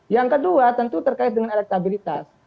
yang kedua tentu terkait dengan elektabilitas